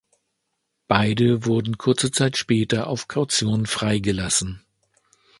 Beide wurden kurze Zeit später auf Kaution freigelassen.